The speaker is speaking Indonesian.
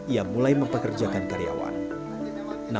ia mulai mempekerjakan karyawan